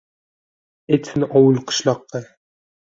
Etsin ovul-qishloqqa.